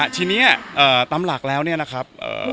ทีนี้ตามหลักแล้วเนี่ยนะครับ